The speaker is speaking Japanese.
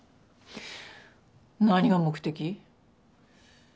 何が目的？